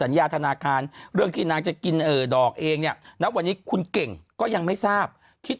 ก็คิดว่าตัวเองพลกลับแบลงซ์มาด้วยตลอด